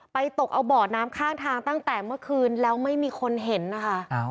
ตกเอาบ่อน้ำข้างทางตั้งแต่เมื่อคืนแล้วไม่มีคนเห็นนะคะ